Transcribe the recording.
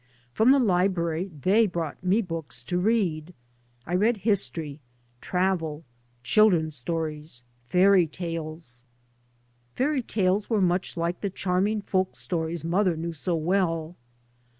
From the library they brought me books to read. I read history, travel, children's stories, fairy tales. Fairy 3 by Google MY MOTHER AND I tales were much like the charming folk stories mother knew so well.